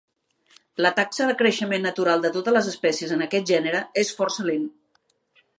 La taxa de creixement natural de totes les espècies en aquest gènere és força lent.